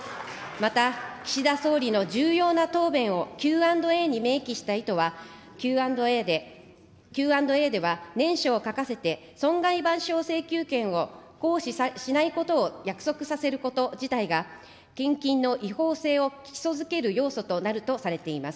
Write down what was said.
また岸田総理の重要な答弁をＱ＆Ａに明記した意図は、Ｑ＆Ａで、Ｑ＆Ａでは、念書を書かせて、損害賠償請求権を行使しないことを約束させること自体が、献金の違法性を基礎づける要素とされています。